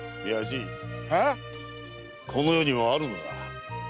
いやじいこの世にはあるのだ。